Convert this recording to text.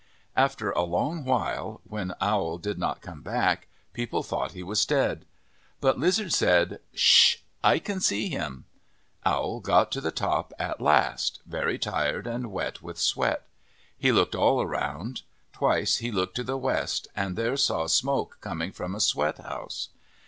After a long while, when Owl did not come back, people thought he was dead. But Lizard said, " Sh ! I can see him/' Owl got to the top at last, very tired and wet with sweat. He looked all around. Twice he looked to the west and there saw smoke coming from a sweat house.